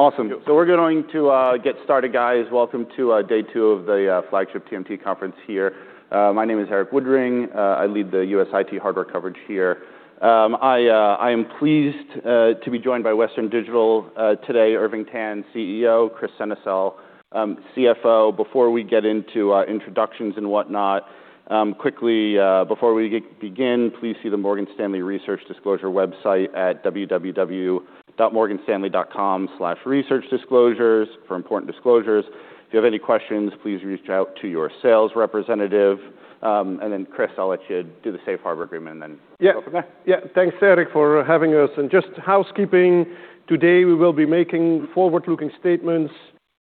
Awesome. We're going to get started, guys. Welcome to day two of the flagship TMT conference here. My name is Erik Woodring. I lead the U.S. IT hardware coverage here. I am pleased to be joined by Western Digital today, Irving Tan, CEO, Kris Sennesael, CFO. Before we get into introductions and whatnot, quickly, before we begin, please see the Morgan Stanley Research Disclosure website at www.morganstanley.com/researchdisclosures for important disclosures. If you have any questions, please reach out to your sales representative. Kris, I'll let you do the Safe Harbor agreement, and then we'll go from there. Yeah, thanks, Erik, for having us. Just housekeeping, today we will be making forward-looking statements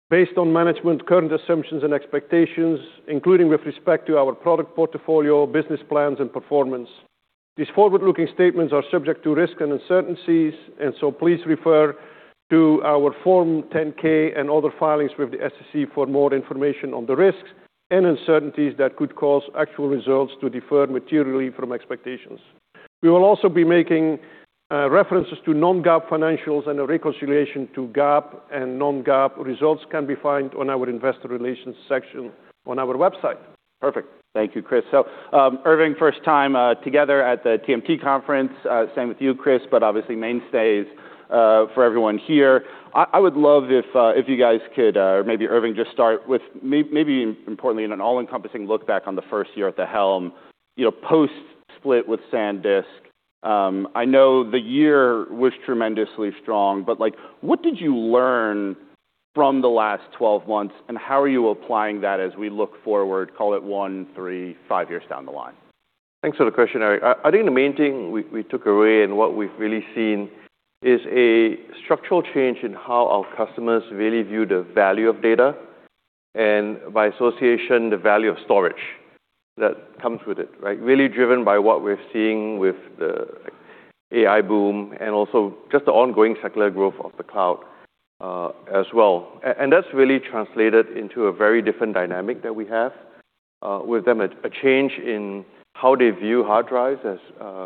based on management current assumptions and expectations, including with respect to our product portfolio, business plans, and performance. These forward-looking statements are subject to risk and uncertainties, and so please refer to our Form 10-K and other filings with the SEC for more information on the risks and uncertainties that could cause actual results to defer materially from expectations. We will also be making references to non-GAAP financials and a reconciliation to GAAP and non-GAAP results can be found on our investor relations section on our website. Perfect. Thank you, Kris. Irving, first time, together at the TMT conference. Same with you, Kris, but obviously mainstays, for everyone here. I would love if you guys could maybe Irving just start with maybe importantly in an all-encompassing look back on the first year at the helm, you know, post-split with SanDisk. I know the year was tremendously strong, but, like, what did you learn from the last 12 months, and how are you applying that as we look forward, call it one, three, five years down the line? Thanks for the question, Erik. I think the main thing we took away and what we've really seen is a structural change in how our customers really view the value of data and, by association, the value of storage that comes with it, right? Really driven by what we're seeing with the AI boom and also just the ongoing secular growth of the cloud as well. That's really translated into a very different dynamic that we have with them. A change in how they view hard drives as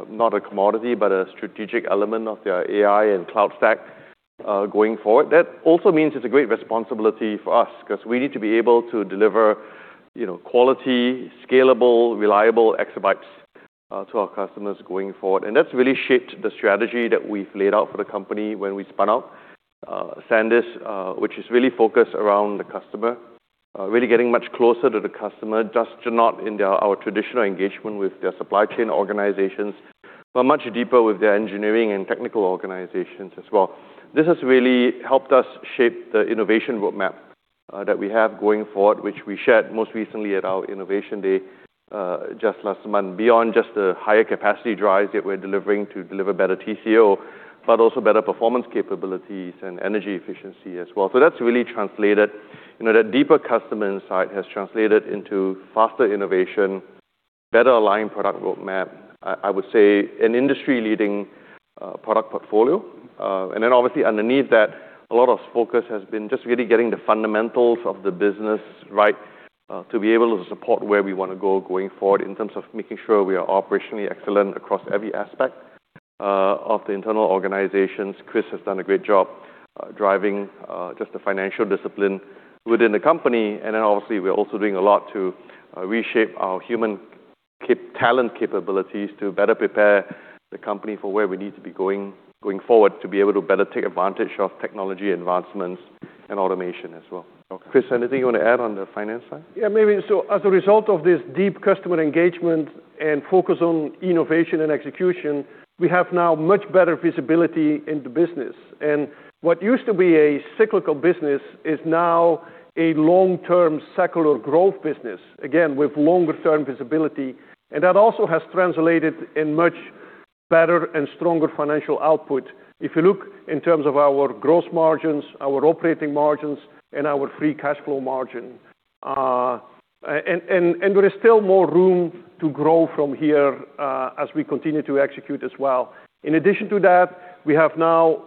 not a commodity, but a strategic element of their AI and cloud stack going forward. That also means it's a great responsibility for us 'cause we need to be able to deliver, you know, quality, scalable, reliable exabytes to our customers going forward. That's really shaped the strategy that we've laid out for the company when we spun out SanDisk, which is really focused around the customer, really getting much closer to the customer, just not our traditional engagement with their supply chain organizations, but much deeper with their engineering and technical organizations as well. This has really helped us shape the innovation roadmap that we have going forward, which we shared most recently at our Innovation Day just last month. Beyond just the higher capacity drives that we're delivering to deliver better TCO, but also better performance capabilities and energy efficiency as well. That's really translated, you know, that deeper customer insight has translated into faster innovation, better aligned product roadmap, I would say an industry-leading product portfolio. Obviously underneath that, a lot of focus has been just really getting the fundamentals of the business right, to be able to support where we wanna go going forward in terms of making sure we are operationally excellent across every aspect of the internal organizations. Kris has done a great job driving just the financial discipline within the company. Obviously, we're also doing a lot to reshape our human talent capabilities to better prepare the company for where we need to be going forward to be able to better take advantage of technology advancements and automation as well. Okay. Kris, anything you wanna add on the finance side? Yeah, maybe. As a result of this deep customer engagement and focus on innovation and execution, we have now much better visibility in the business. What used to be a cyclical business is now a long-term secular growth business, again, with longer term visibility. That also has translated in much better and stronger financial output. If you look in terms of our gross margins, our operating margins, and our free cash flow margin. There is still more room to grow from here as we continue to execute as well. In addition to that we have now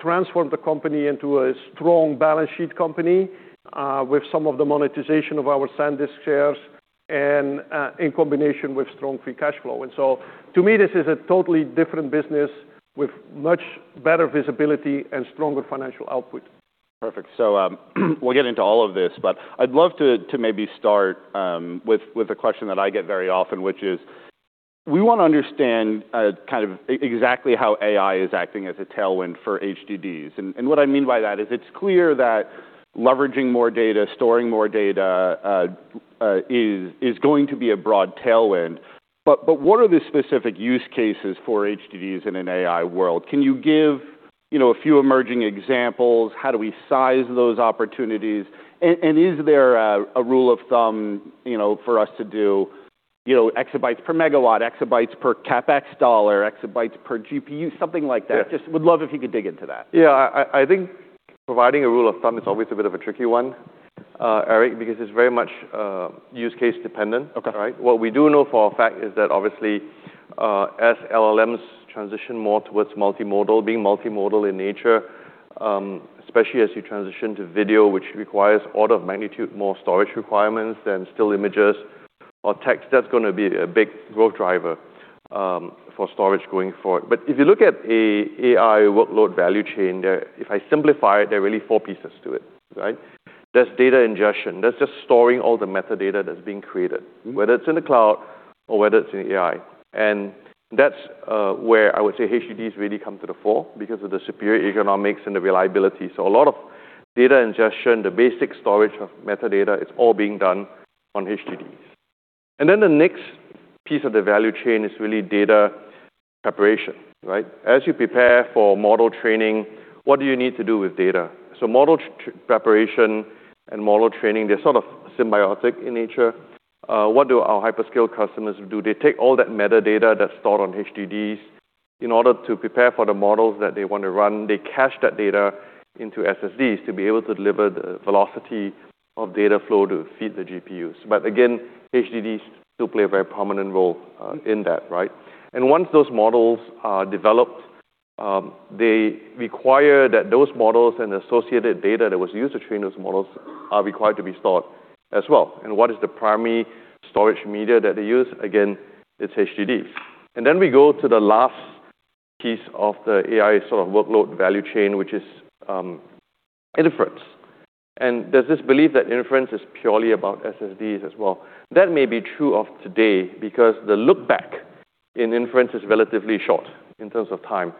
transformed the company into a strong balance sheet company with some of the monetization of our SanDisk shares and in combination with strong free cash flow. To me, this is a totally different business with much better visibility and stronger financial output. Perfect. We'll get into all of this, but I'd love to maybe start with a question that I get very often, which is we wanna understand exactly how AI is acting as a tailwind for HDDs. What I mean by that is it's clear that leveraging more data, storing more data, is going to be a broad tailwind. What are the specific use cases for HDDs in an AI world? Can you give, you know, a few emerging examples? How do we size those opportunities? Is there a rule of thumb, you know, for us to do, you know, exabytes per megawatt, exabytes per CapEx dollar, exabytes per GPU, something like that? Yeah. Just would love if you could dig into that. Yeah. I think providing a rule of thumb is always a bit of a tricky one, Erik, because it's very much use case dependent. Okay. Right? What we do know for a fact is that obviously, as LLMs transition more towards multimodal, being multimodal in nature, especially as you transition to video, which requires order of magnitude more storage requirements than still images or text, that's gonna be a big growth driver. For storage going forward. If you look at a AI workload value chain there, if I simplify it, there are really four pieces to it, right? There's data ingestion. That's just storing all the metadata that's being created, whether it's in the cloud or whether it's in AI. That's where I would say HDDs really come to the fore because of the superior economics and the reliability. A lot of data ingestion, the basic storage of metadata is all being done on HDDs. The next piece of the value chain is really data preparation, right? As you prepare for model training, what do you need to do with data? Model preparation and model training, they're sort of symbiotic in nature. What do our hyperscale customers do? They take all that metadata that's stored on HDDs in order to prepare for the models that they want to run. They cache that data into SSDs to be able to deliver the velocity of data flow to feed the GPUs. Again, HDDs still play a very prominent role in that, right? Once those models are developed, they require that those models and associated data that was used to train those models are required to be stored as well. What is the primary storage media that they use? Again, it's HDDs. Then we go to the last piece of the AI sort of workload value chain, which is inference. There's this belief that inference is purely about SSDs as well. That may be true of today because the look back in inference is relatively short in terms of time.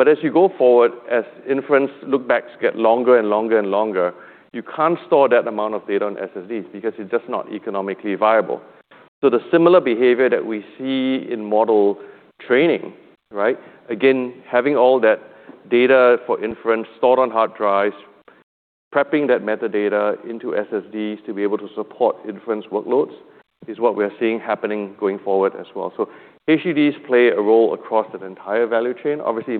As you go forward, as inference look backs get longer and longer and longer, you can't store that amount of data on SSDs because it's just not economically viable. The similar behavior that we see in model training, right? Again, having all that data for inference stored on hard drives, prepping that metadata into SSDs to be able to support inference workloads is what we are seeing happening going forward as well. HDDs play a role across that entire value chain. Obviously,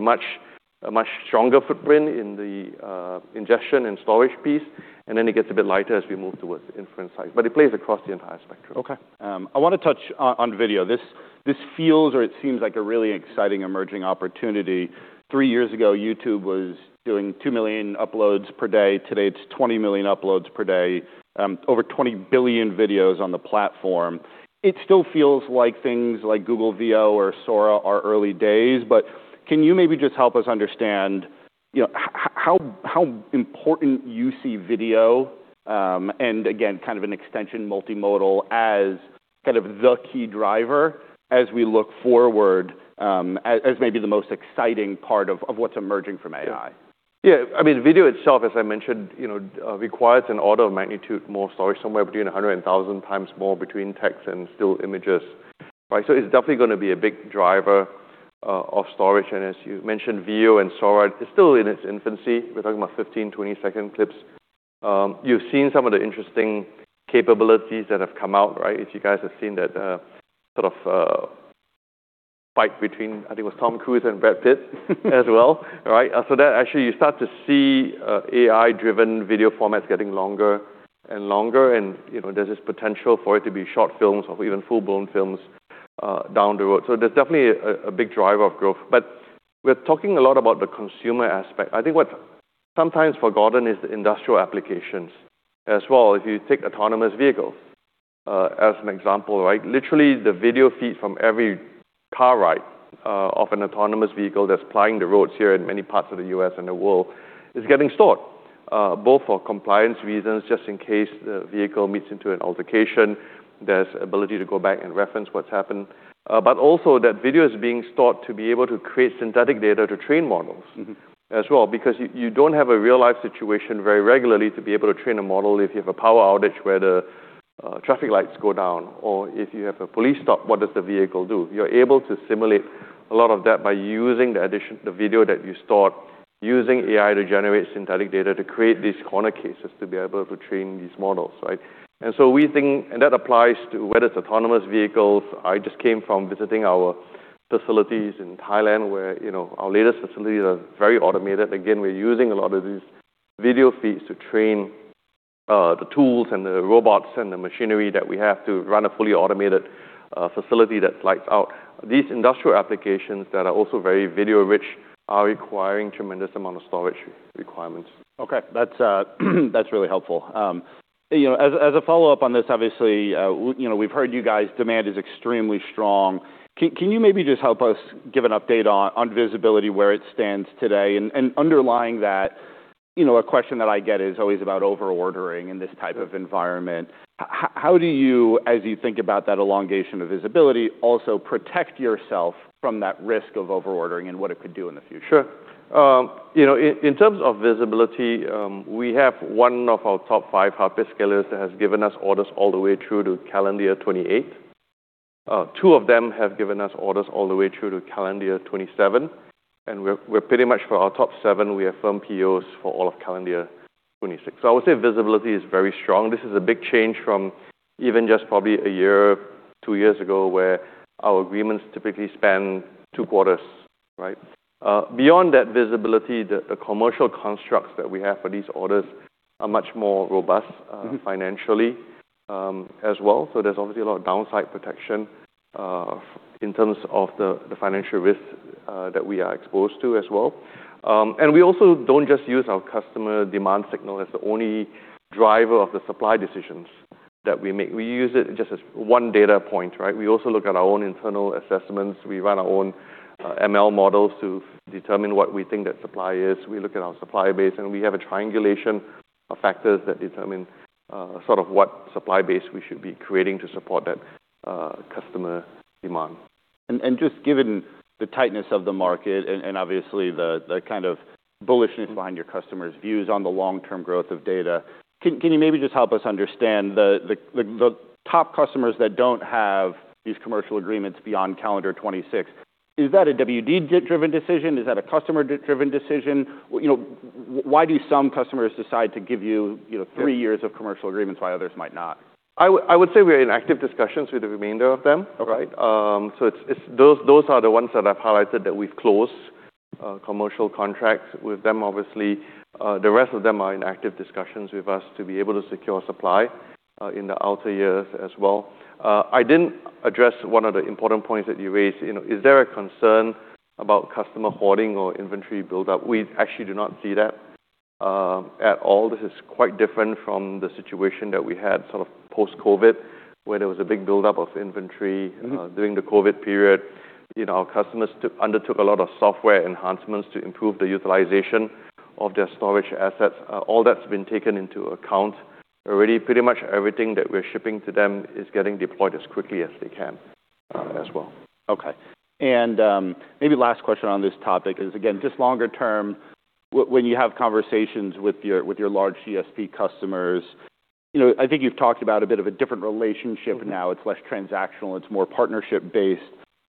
a much stronger footprint in the ingestion and storage piece, and then it gets a bit lighter as we move towards the inference side. It plays across the entire spectrum. Okay. I want to touch on video. This feels or it seems like a really exciting emerging opportunity. Three years ago, YouTube was doing 2 million uploads per day. Today, it's 20 million uploads per day, over 20 billion videos on the platform. It still feels like things like Google Veo or Sora are early days. Can you maybe just help us understand, you know, how important you see video, and again, kind of an extension multimodal as kind of the key driver as we look forward, as maybe the most exciting part of what's emerging from AI? Yeah. I mean, video itself, as I mentioned, you know, requires an order of magnitude more storage, somewhere between 100 and 1,000 times more between text and still images, right? It's definitely gonna be a big driver of storage. As you mentioned, Veo and Sora is still in its infancy. We're talking about 15, 20-second clips. You've seen some of the interesting capabilities that have come out, right? If you guys have seen that, sort of, fight between, I think it was Tom Cruise and Brad Pitt as well, right? That actually you start to see AI-driven video formats getting longer and longer and, you know, there's this potential for it to be short films or even full-blown films down the road. There's definitely a big driver of growth. We're talking a lot about the consumer aspect. I think what's sometimes forgotten is the industrial applications as well. If you take autonomous vehicles as an example, right? Literally, the video feed from every car ride of an autonomous vehicle that's plying the roads here in many parts of the U.S. and the world is getting stored both for compliance reasons, just in case the vehicle meets into an altercation, there's ability to go back and reference what's happened. Also that video is being stored to be able to create synthetic data to train models. Mm-hmm As well, because you don't have a real-life situation very regularly to be able to train a model if you have a power outage where the traffic lights go down, or if you have a police stop, what does the vehicle do? You're able to simulate a lot of that by using the video that you stored using AI to generate synthetic data to create these corner cases to be able to train these models, right? We think that applies to whether it's autonomous vehicles. I just came from visiting our facilities in Thailand where, you know, our latest facilities are very automated. Again, we're using a lot of these video feeds to train the tools and the robots and the machinery that we have to run a fully automated facility that flags out. These industrial applications that are also very video-rich are requiring tremendous amount of storage requirements. Okay. That's really helpful. You know, as a follow-up on this, obviously, you know, we've heard you guys, demand is extremely strong. Can you maybe just help us give an update on visibility, where it stands today? Underlying that, you know, a question that I get is always about over-ordering in this type of environment. How do you, as you think about that elongation of visibility, also protect yourself from that risk of over-ordering and what it could do in the future? Sure. In terms of visibility, we have one of our top five hyperscalers that has given us orders all the way through to calendar year 2028. Two of them have given us orders all the way through to calendar year 2027, and we're pretty much for our top seven, we have firm POs for all of calendar year 2026. I would say visibility is very strong. This is a big change from even just probably a year, two years ago, where our agreements typically span two quarters, right? Beyond that visibility, the commercial constructs that we have for these orders are much more robust, financially, as well. There's obviously a lot of downside protection, in terms of the financial risk that we are exposed to as well. We also don't just use our customer demand signal as the only driver of the supply decisions that we make. We use it just as one data point, right. We also look at our own internal assessments. We run our own ML models to determine what we think that supply is. We look at our supply base, and we have a triangulation of factors that determine sort of what supply base we should be creating to support that customer demand. Just given the tightness of the market and obviously the kind of bullishness behind your customers' views on the long-term growth of data, can you maybe just help us understand the top customers that don't have these commercial agreements beyond calendar 26? Is that a WD-driven decision? Is that a customer-driven decision? You know, why do some customers decide to give you know, three years of commercial agreements while others might not? I would say we're in active discussions with the remainder of them. All right. It's those are the ones that I've highlighted that we've closed commercial contracts with them, obviously. The rest of them are in active discussions with us to be able to secure supply in the outer years as well. I didn't address one of the important points that you raised. You know, is there a concern about customer hoarding or inventory buildup? We actually do not see that at all. This is quite different from the situation that we had sort of post-COVID, where there was a big buildup of inventory- Mm-hmm. During the COVID period. You know, our customers undertook a lot of software enhancements to improve the utilization of their storage assets. All that's been taken into account. Already pretty much everything that we're shipping to them is getting deployed as quickly as they can as well. Okay. Maybe last question on this topic is, again, just longer term, when you have conversations with your large CSP customers, you know, I think you've talked about a bit of a different relationship now. It's less transactional, it's more partnership based.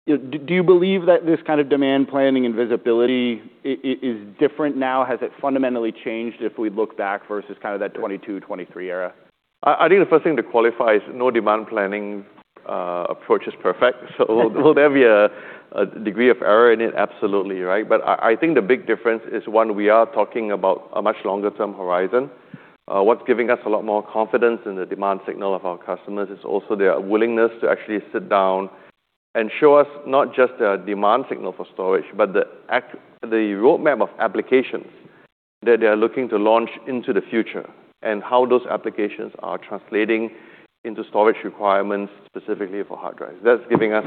Do you believe that this kind of demand planning and visibility is different now? Has it fundamentally changed if we look back versus kind of that 2022/2023 era? I think the first thing to qualify is no demand planning approach is perfect. Will there be a degree of error in it? Absolutely right. I think the big difference is, one, we are talking about a much longer term horizon. What's giving us a lot more confidence in the demand signal of our customers is also their willingness to actually sit down and show us not just their demand signal for storage, but the roadmap of applications that they are looking to launch into the future and how those applications are translating into storage requirements, specifically for hard drives. That's giving us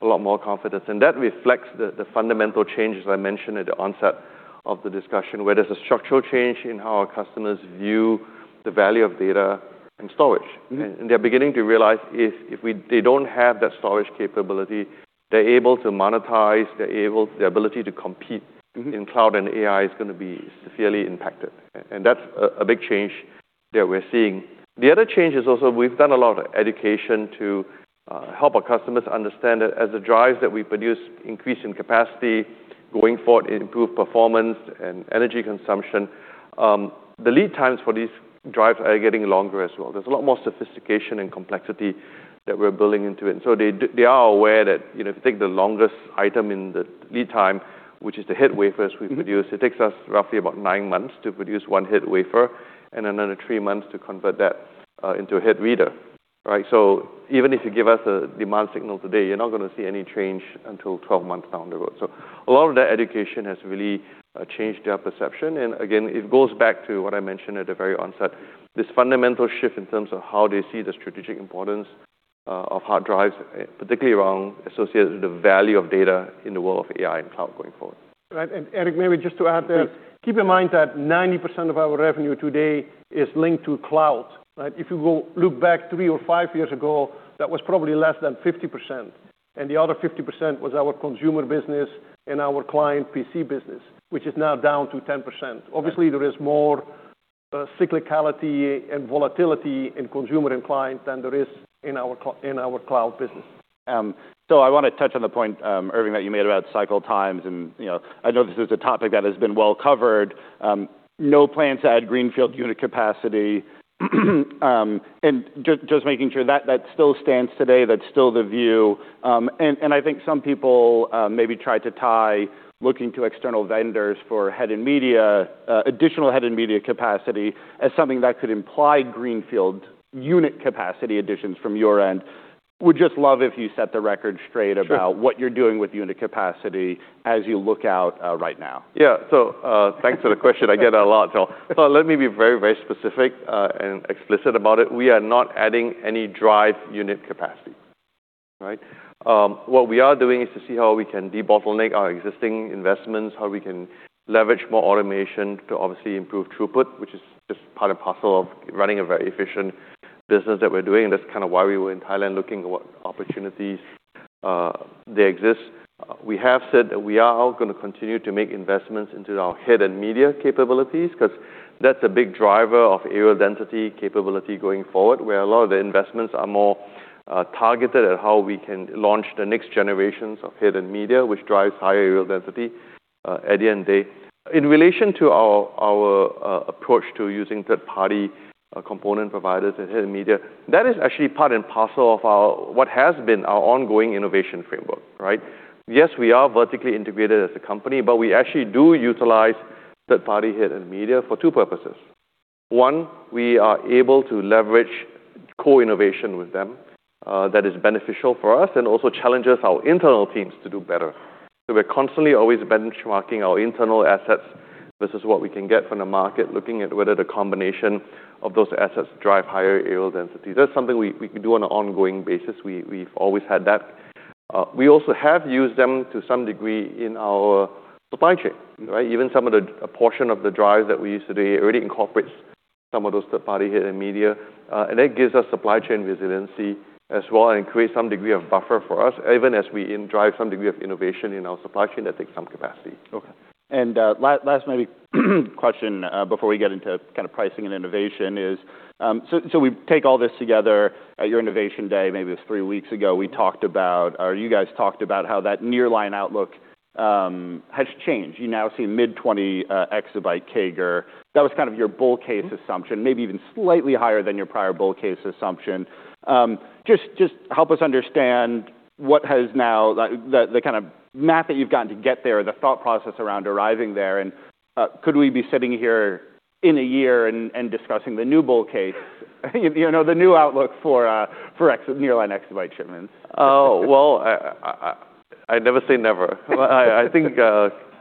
a lot more confidence, and that reflects the fundamental change, as I mentioned at the onset of the discussion, where there's a structural change in how our customers view the value of data and storage. Mm-hmm. They're beginning to realize if they don't have that storage capability, they're able to monetize, their ability to compete. Mm-hmm. in cloud and AI is going to be severely impacted. That's a big change that we're seeing. The other change is also we've done a lot of education to help our customers understand that as the drives that we produce increase in capacity going forward, improve performance and energy consumption, the lead times for these drives are getting longer as well. There's a lot more sophistication and complexity that we're building into it. They are aware that, you know, if you take the longest item in the lead time, which is the head wafers we produce- Mm-hmm. It takes us roughly about nine months to produce one head wafer and another three months to convert that into a head reader, right? Even if you give us a demand signal today, you're not gonna see any change until 12 months down the road. A lot of that education has really changed their perception. Again, it goes back to what I mentioned at the very onset, this fundamental shift in terms of how they see the strategic importance of hard drives, particularly around associated with the value of data in the world of AI and cloud going forward. Right. Erik, maybe just to add there. Please. Keep in mind that 90% of our revenue today is linked to cloud, right? If you go look back three or five years ago, that was probably less than 50%, and the other 50% was our consumer business and our client PC business, which is now down to 10%. Right. Obviously, there is more cyclicality and volatility in consumer and client than there is in our cloud business. I want to touch on the point, Irving, that you made about cycle times, and, you know, I know this is a topic that has been well covered. No plans to add greenfield unit capacity. Just making sure that still stands today. That's still the view. I think some people maybe try to tie looking to external vendors for additional head and media capacity as something that could imply greenfield unit capacity additions from your end. Would just love if you set the record straight about- Sure. What you're doing with unit capacity as you look out right now? Yeah. Thanks for the question. I get that a lot. Let me be very specific and explicit about it. We are not adding any drive unit capacity. Right? What we are doing is to see how we can debottleneck our existing investments, how we can leverage more automation to obviously improve throughput, which is just part and parcel of running a very efficient business that we're doing. That's kind of why we were in Thailand looking at what opportunities they exist. We have said that we are going to continue to make investments into our head and media capabilities because that's a big driver of areal density capability going forward, where a lot of the investments are more targeted at how we can launch the next generations of head and media, which drives higher areal density at the end of the day. In relation to our approach to using third-party component providers in head and media, that is actually part and parcel of our what has been our ongoing innovation framework, right? Yes, we are vertically integrated as a company, but we actually do utilize third-party head and media for two purposes. One, we are able to leverage co-innovation with them, that is beneficial for us and also challenges our internal teams to do better. We're constantly always benchmarking our internal assets versus what we can get from the market, looking at whether the combination of those assets drive higher areal density. That's something we can do on an ongoing basis. We've always had that. We also have used them to some degree in our supply chain, right? Even a portion of the drives that we use today already incorporates some of those third-party head and media, and that gives us supply chain resiliency as well and creates some degree of buffer for us, even as we drive some degree of innovation in our supply chain that takes some capacity. Okay. last maybe question before we get into kind of pricing and innovation is, we take all this together at your Innovation Day, maybe it was three weeks ago. Or you guys talked about how that nearline outlook has changed. You now see mid-20 EB CAGR. That was kind of your bull case assumption, maybe even slightly higher than your prior bull case assumption. Just help us understand what has now... The kind of math that you've gotten to get there, the thought process around arriving there, and could we be sitting here in a year and discussing the new bull case? You know, the new outlook for nearline exabyte shipments. I never say never. I think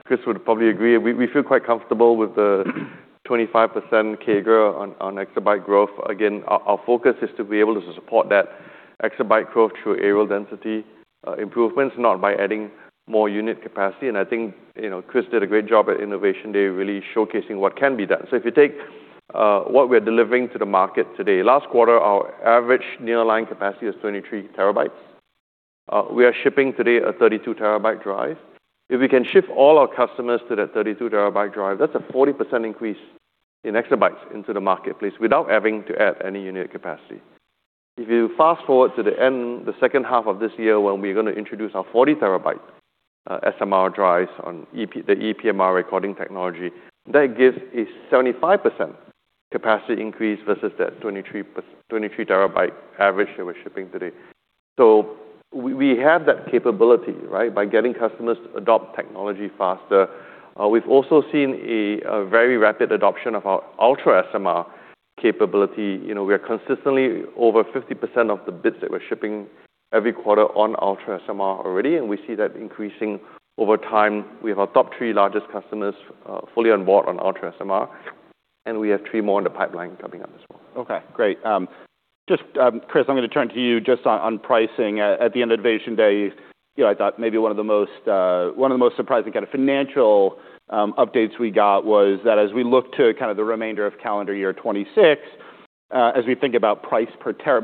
Kris would probably agree. We feel quite comfortable with the 25% CAGR on exabyte growth. Again, our focus is to be able to support that exabyte growth through areal density improvements, not by adding more unit capacity. I think, you know, Kris did a great job at Innovation Day really showcasing what can be done. If you take what we're delivering to the market today. Last quarter, our average nearline capacity was 23 TB. We are shipping today a 32 TB drive. If we can ship all our customers to that 32 TB drive, that's a 40% increase in exabytes into the marketplace without having to add any unit capacity. If you fast-forward to the end, the second half of this year when we're going to introduce our 40 TB SMR drives on the ePMR recording technology, that gives a 75% capacity increase versus that 23 TB average that we're shipping today. We have that capability, right, by getting customers to adopt technology faster. We've also seen a very rapid adoption of our UltraSMR capability. You know, we are consistently over 50% of the bits that we're shipping every quarter on UltraSMR already, and we see that increasing over time. We have our top three largest customers fully on board on UltraSMR, and we have three more in the pipeline coming up as well. Okay, great. Just Kris, I'm going to turn to you just on pricing. At the end of Innovation Day, you know, I thought maybe one of the most, one of the most surprising kind of financial updates we got was that as we look to kind of the remainder of calendar year 2026, as we think about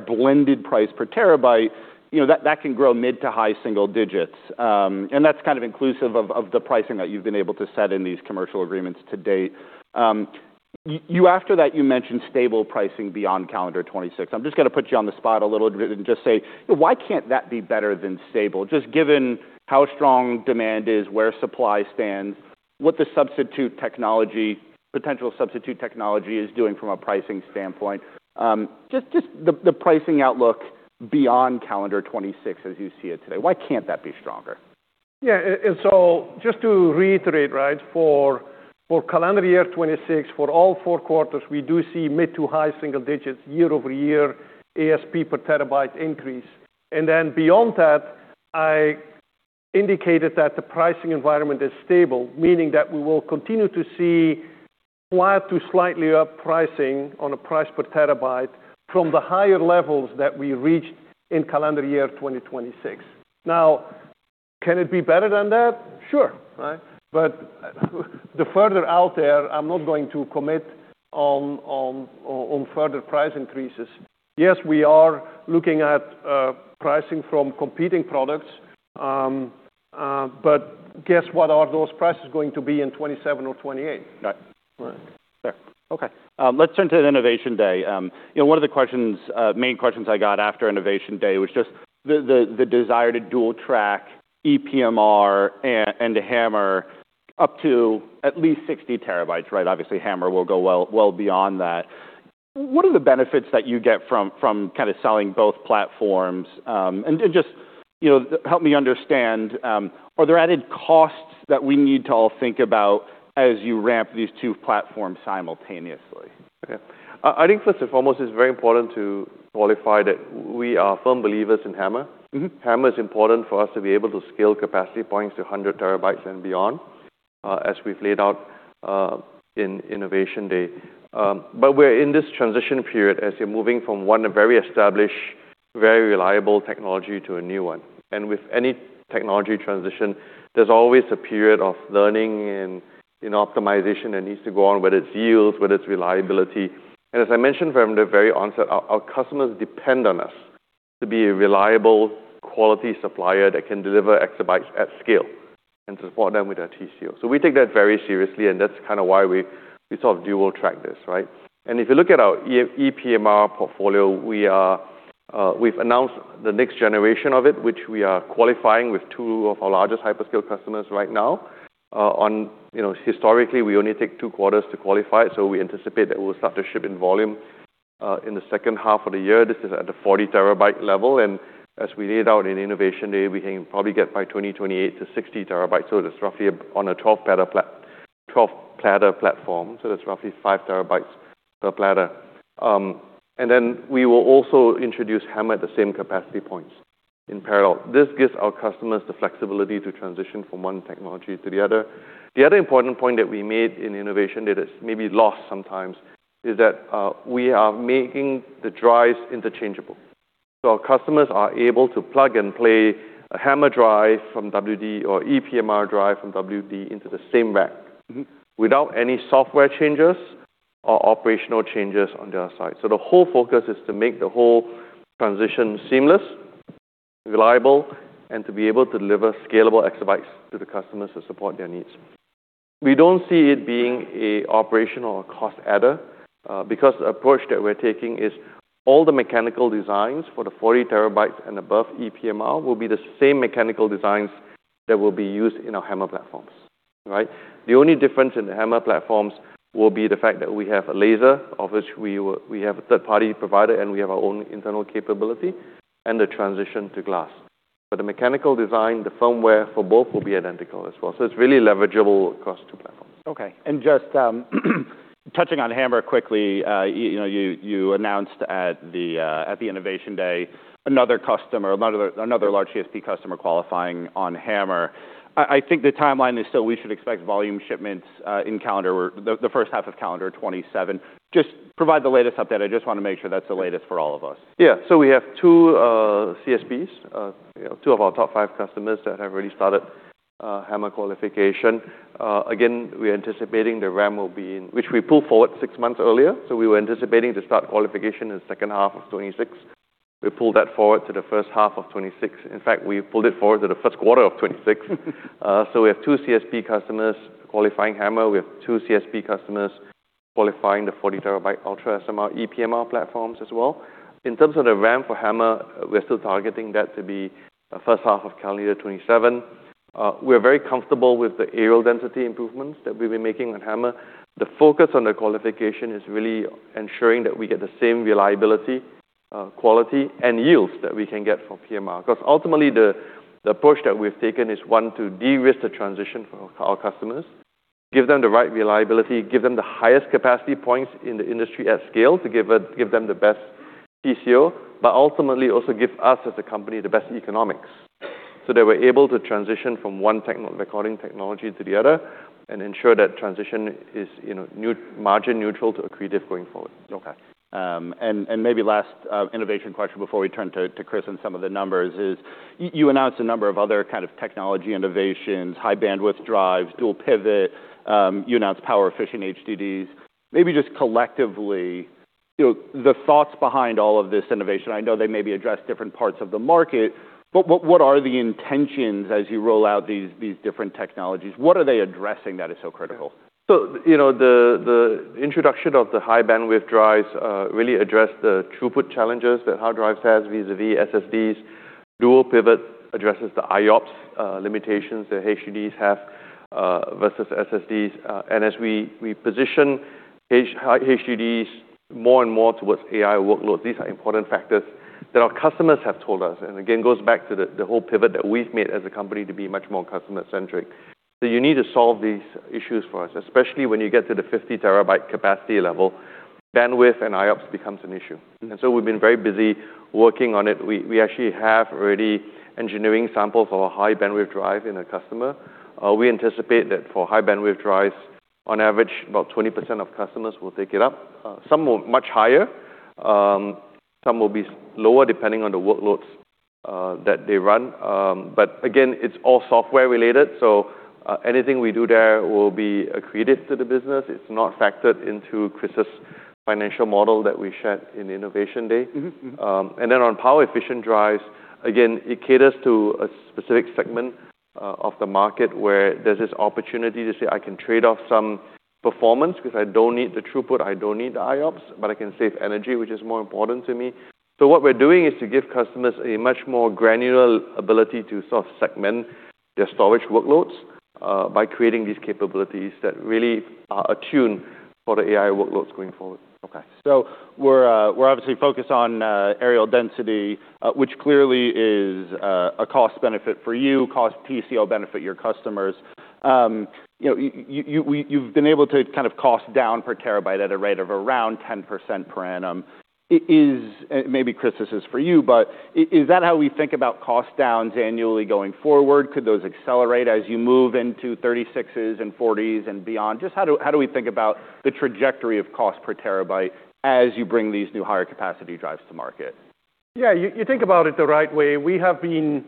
blended price per TB, you know, that can grow mid to high single digits. That's kind of inclusive of the pricing that you've been able to set in these commercial agreements to date. After that, you mentioned stable pricing beyond calendar 2026. I'm just gonna put you on the spot a little bit and just say, you know, why can't that be better than stable? Just given how strong demand is, where supply stands, what the potential substitute technology is doing from a pricing standpoint. just the pricing outlook beyond calendar 2026 as you see it today. Why can't that be stronger? Yeah, just to reiterate, right? For calendar year 2026, for all four quarters, we do see mid to high single-digits year-over-year ASP per terabyte increase. Beyond that, I indicated that the pricing environment is stable, meaning that we will continue to see flat to slightly up pricing on a price per terabyte from the higher levels that we reached in calendar year 2026. Can it be better than that? Sure, right. The further out there, I'm not going to commit on further price increases. We are looking at pricing from competing products, but guess what are those prices going to be in 2027 or 2028? Right. Right. Fair. Okay. Let's turn to the Innovation Day. You know, one of the questions, main questions I got after Innovation Day was just the desire to dual track ePMR and the HAMR up to at least 60 TB, right? Obviously, HAMR will go well beyond that. What are the benefits that you get from kind of selling both platforms? Just, you know, help me understand, are there added costs that we need to all think about as you ramp these two platforms simultaneously? Okay. I think first and foremost, it's very important to qualify that we are firm believers in HAMR. Mm-hmm. HAMR is important for us to be able to scale capacity points to 100 TB and beyond, as we've laid out, in Innovation Day. We're in this transition period as we're moving from one very established, very reliable technology to a new one. With any technology transition, there's always a period of learning and optimization that needs to go on, whether it's yields, whether it's reliability. As I mentioned from the very onset, our customers depend on us to be a reliable, quality supplier that can deliver exabytes at scale and support them with their TCO. We take that very seriously, and that's kind of why we sort of dual track this, right? If you look at our EPMR portfolio, we've announced the next generation of it, which we are qualifying with two of our largest hyperscale customers right now. You know, historically, we only take two quarters to qualify it, so we anticipate that we'll start to ship in volume in the second half of the year. This is at the 40 TB level, and as we laid out in Innovation Day, we can probably get by 2028 to 60 TB. It is roughly on a 12 platter platform, so that's roughly 5 TB per platter. We will also introduce HAMR at the same capacity points in parallel. This gives our customers the flexibility to transition from one technology to the other. The other important point that we made in Innovation Day that's maybe lost sometimes is that we are making the drives interchangeable. Our customers are able to plug and play a HAMR drive from WD or ePMR drive from WD into the same rack without any software changes or operational changes on their side. The whole focus is to make the whole transition seamless, reliable, and to be able to deliver scalable exabytes to the customers to support their needs. We don't see it being a operational cost adder because the approach that we're taking is all the mechanical designs for the 40 TB and above ePMR will be the same mechanical designs that will be used in our HAMR platforms, right? The only difference in the HAMR platforms will be the fact that we have a laser, of which we have a third-party provider, and we have our own internal capability, and the transition to glass. The mechanical design, the firmware for both will be identical as well. It's really leverageable across two platforms. Okay. Just touching on HAMR quickly, you know, you announced at the Innovation Day another customer, another large CSP customer qualifying on HAMR. I think the timeline is still we should expect volume shipments in calendar or the first half of calendar 2027. Just provide the latest update. I just want to make sure that's the latest for all of us. We have two CSPs, you know, two of our top five customers that have already started HAMR qualification. We're anticipating the HAMR, which we pulled forward six months earlier. We were anticipating to start qualification in the second half of 2026. We pulled that forward to the first half of 2026. In fact, we pulled it forward to the first quarter of 2026. We have two CSP customers qualifying HAMR. We have two CSP customers qualifying the 40-TB UltraSMR, ePMR platforms as well. In terms of the HAMR for HAMR, we're still targeting that to be first half of calendar 2027. We're very comfortable with the areal density improvements that we've been making on HAMR. The focus on the qualification is really ensuring that we get the same reliability, quality, and yields that we can get from PMR. 'Cause ultimately, the approach that we've taken is, one, to de-risk the transition for our customers, give them the right reliability, give them the highest capacity points in the industry at scale to give them the best TCO, but ultimately also give us as a company the best economics. They were able to transition from one recording technology to the other and ensure that transition is, you know, margin neutral to accretive going forward. Okay. And maybe last innovation question before we turn to Kris and some of the numbers is you announced a number of other kind of technology innovations, High-Bandwidth HDDs, dual pivot. You announced Power-Optimized HDDs. Maybe just collectively, you know, the thoughts behind all of this innovation. I know they maybe address different parts of the market, what are the intentions as you roll out these different technologies? What are they addressing that is so critical? You know, the introduction of the High-Bandwidth HDDs really address the throughput challenges that hard drives has vis-à-vis SSDs. Dual pivot addresses the IOPS limitations that HDDs have versus SSDs. As we position HDDs more and more towards AI workloads, these are important factors that our customers have told us, and again, goes back to the whole pivot that we've made as a company to be much more customer-centric. You need to solve these issues for us, especially when you get to the 50 TB capacity level, bandwidth and IOPS becomes an issue. We've been very busy working on it. We actually have already engineering samples of a High-Bandwidth HDD in a customer. We anticipate that for High-Bandwidth HDDs, on average, about 20% of customers will take it up. Some will much higher, some will be lower depending on the workloads that they run. Again, it's all software related, so anything we do there will be accretive to the business. It's not factored into Kris's financial model that we shared in Innovation Day. Mm-hmm. On power efficient drives, again, it caters to a specific segment of the market where there's this opportunity to say, "I can trade off some performance because I don't need the throughput, I don't need the IOPS, but I can save energy, which is more important to me." What we're doing is to give customers a much more granular ability to sort of segment their storage workloads by creating these capabilities that really are attuned for the AI workloads going forward. Okay. We're obviously focused on areal density, which clearly is a cost benefit for you, cost TCO benefit your customers. You know, you've been able to kind of cost down per terabyte at a rate of around 10% per annum. Maybe Kris, this is for you, but is that how we think about cost downs annually going forward? Could those accelerate as you move into 36s and 40s and beyond? How do we think about the trajectory of cost per terabyte as you bring these new higher capacity drives to market? Yeah, you think about it the right way. We have been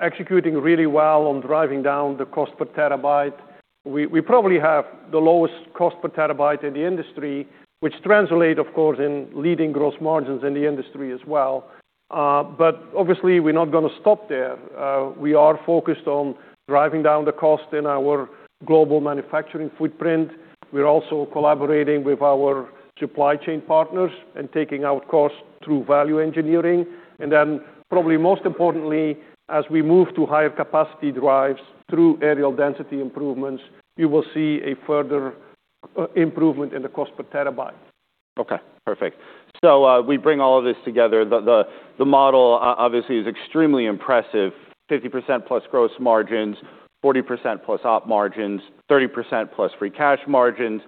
executing really well on driving down the cost per terabyte. We probably have the lowest cost per terabyte in the industry, which translate, of course, in leading gross margins in the industry as well. Obviously, we're not gonna stop there. We are focused on driving down the cost in our global manufacturing footprint. We're also collaborating with our supply chain partners and taking out costs through value engineering. Then probably most importantly, as we move to higher capacity drives through areal density improvements, you will see a further improvement in the cost per terabyte. Okay, perfect. We bring all of this together. The model obviously is extremely impressive, 50%+ gross margins, 40%+ op margins, 30%+ free cash margins,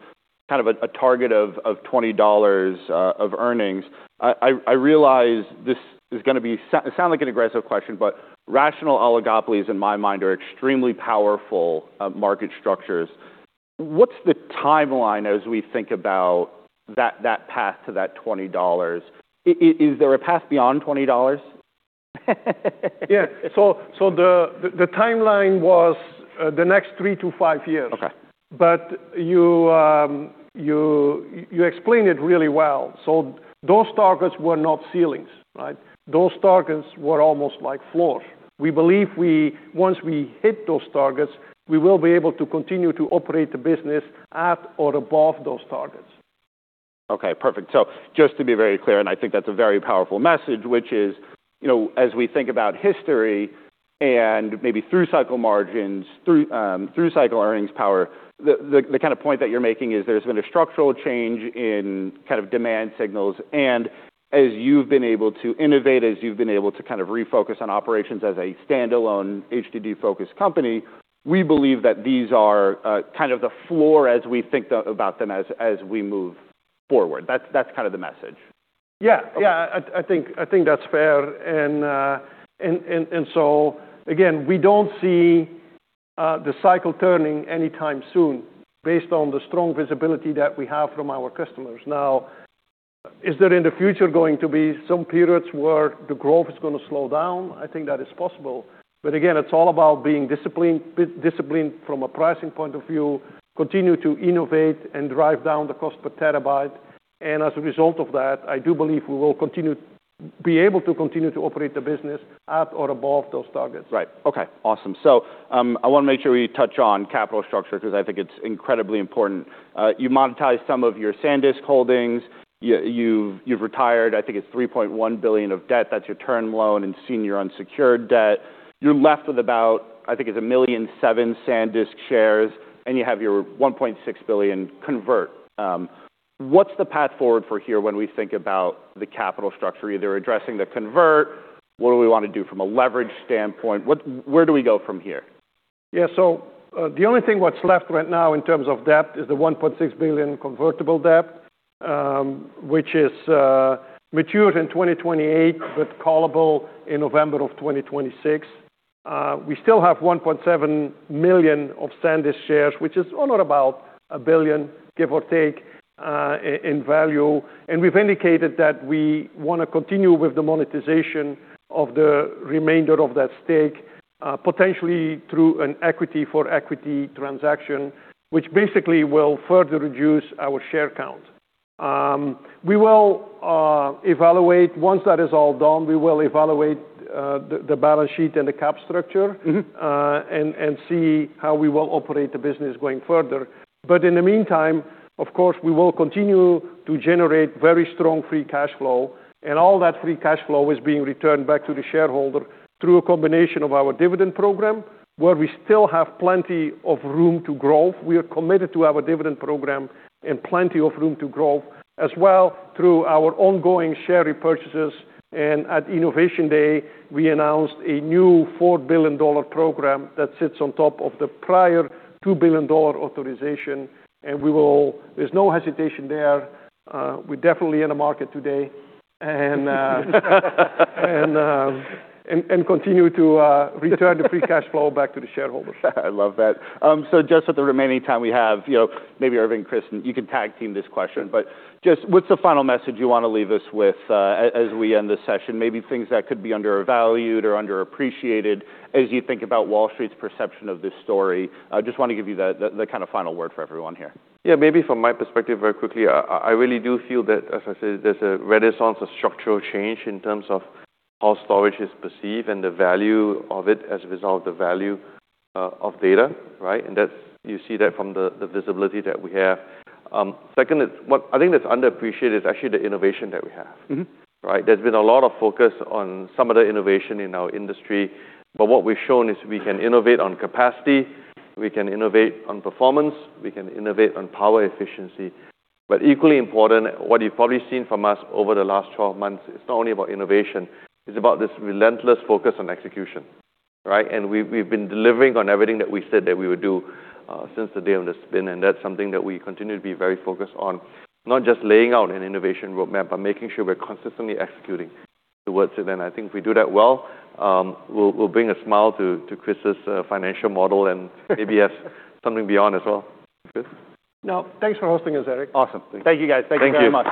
kind of a target of $20 of earnings. I realize this is gonna be sound like an aggressive question, but rational oligopolies, in my mind, are extremely powerful market structures. What's the timeline as we think about that path to that $20? Is there a path beyond $20? Yeah. The timeline was the next three to five years. Okay. You explain it really well. Those targets were not ceilings, right? Those targets were almost like floors. We believe once we hit those targets, we will be able to continue to operate the business at or above those targets. Okay, perfect. Just to be very clear, and I think that's a very powerful message, which is, you know, as we think about history and maybe through cycle margins, through cycle earnings power, the kind of point that you're making is there's been a structural change in kind of demand signals. As you've been able to innovate, as you've been able to kind of refocus on operations as a standalone HDD-focused company, we believe that these are kind of the floor as we think about them as we move forward. That's kind of the message. Yeah. I think that's fair. Again, we don't see the cycle turning anytime soon based on the strong visibility that we have from our customers. Now, is there in the future going to be some periods where the growth is gonna slow down? I think that is possible. Again, it's all about being disciplined from a pricing point of view, continue to innovate and drive down the cost per terabyte, and as a result of that, I do believe we will be able to continue to operate the business at or above those targets. Right. Okay. Awesome. I wanna make sure we touch on capital structure because I think it's incredibly important. You monetize some of your SanDisk holdings. You've retired, I think it's $3.1 billion of debt. That's your term loan and senior unsecured debt. You're left with about, I think it's 1,000,007 SanDisk shares, and you have your $1.6 billion convert. What's the path forward for here when we think about the capital structure, either addressing the convert? What do we wanna do from a leverage standpoint? Where do we go from here? The only thing what's left right now in terms of debt is the $1.6 billion convertible debt, which matures in 2028, but callable in November of 2026. We still have 1.7 million of SanDisk shares, which is all at about $1 billion, give or take, in value. We've indicated that we wanna continue with the monetization of the remainder of that stake, potentially through an equity for equity transaction, which basically will further reduce our share count. Once that is all done, we will evaluate the balance sheet and the cap structure. Mm-hmm. And see how we will operate the business going further. In the meantime, of course, we will continue to generate very strong free cash flow, and all that free cash flow is being returned back to the shareholder through a combination of our dividend program, where we still have plenty of room to grow. We are committed to our dividend program and plenty of room to grow, as well through our ongoing share repurchases. At Innovation Day, we announced a new $4 billion program that sits on top of the prior $2 billion authorization, and there's no hesitation there. We're definitely in the market today and continue to return the free cash flow back to the shareholders. I love that. Just with the remaining time we have, you know, maybe Irving, Kris, you can tag team this question. Just what's the final message you wanna leave us with, as we end this session? Maybe things that could be undervalued or underappreciated as you think about Wall Street's perception of this story. I just want to give you the kind of final word for everyone here. Yeah. Maybe from my perspective, very quickly, I really do feel that, as I said, there's a renaissance of structural change in terms of how storage is perceived and the value of it as a result of the value of data, right? That you see that from the visibility that we have. Second is what I think that's underappreciated is actually the innovation that we have. Mm-hmm. Right? There's been a lot of focus on some of the innovation in our industry. What we've shown is we can innovate on capacity, we can innovate on performance, we can innovate on power efficiency. Equally important, what you've probably seen from us over the last 12 months, it's not only about innovation, it's about this relentless focus on execution, right? We've been delivering on everything that we said that we would do since the day of the spin, and that's something that we continue to be very focused on, not just laying out an innovation roadmap, but making sure we're consistently executing towards it. I think if we do that well, we'll bring a smile to Kris's financial model, maybe have something beyond as well. Kris? No. Thanks for hosting us, Erik. Awesome. Thank you, guys. Thank you very much.